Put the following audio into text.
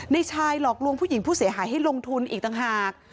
ในชายหลอกลวงผู้หญิงผู้เสียหายให้ลงทุนอีกต่างหาก